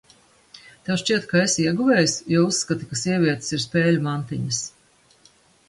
Tev šķiet, ka esi ieguvējs, jo uzskati, ka sievietes ir spēļu mantiņas?